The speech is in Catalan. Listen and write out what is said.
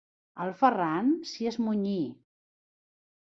El Ferran s'hi esmunyí.